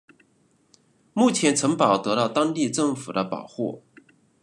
目前城堡得到当地政府的保护。